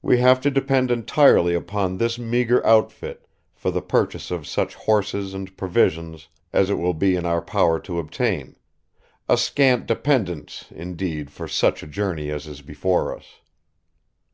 We have to depend entirely upon this meagre outfit for the purchase of such horses and provisions as it will be in our power to obtain, a scant dependence, indeed, for such a journey as is before us."